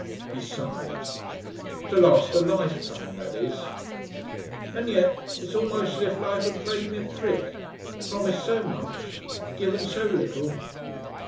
He sighed. "To last a lifetime, that is. "And yet it is almost as if Life had played me a trick promised so much given so little!...